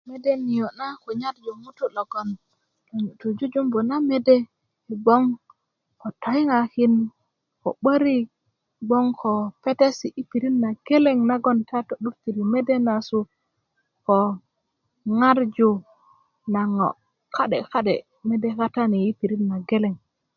mede niyo' na kunyaraju ŋutu' logoŋ tu jujubu na mede yi gboŋ ko toyiŋakin ko 'börik gboŋ ko petesi' yi pirit na geleng nagon ta to'doruji mede nasu ko ŋarju na ŋo' ka'de ka'de' mede kata ni yi pirit na geleŋ